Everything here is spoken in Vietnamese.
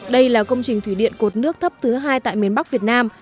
đây là công trình thủy điện cột nước thấp thứ hai tại miền bắc việt nam